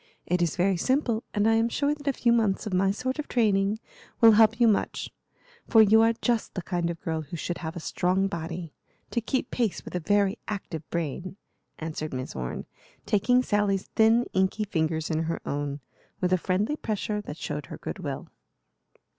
It is very simple, and I am sure that a few months of my sort of training will help you much; for you are just the kind of girl who should have a strong body, to keep pace with a very active brain," answered Miss Orne, taking Sally's thin, inky fingers in her own, with a friendly pressure that showed her good will.